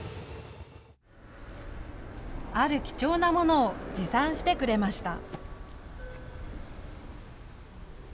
ある貴重なものを持参してくれました。